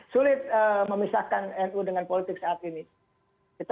sulit memisahkan nu dengan politik saat ini